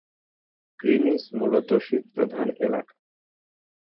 Greenidge মূলত শীতপ্রধান এলাকা।